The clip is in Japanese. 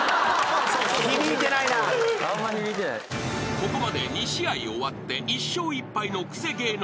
［ここまで２試合終わって１勝１敗のクセ芸能人］